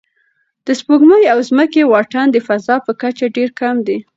د سپوږمۍ او ځمکې واټن د فضا په کچه ډېر کم دی.